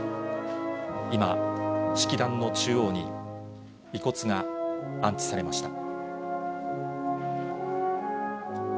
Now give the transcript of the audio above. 今、式壇の中央に遺骨が安置されました。